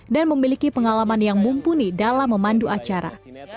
dan memiliki pengalaman yang mumpuni dalam memandu acara